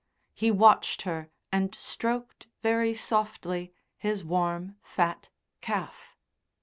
He watched her and stroked very softly his warm, fat calf.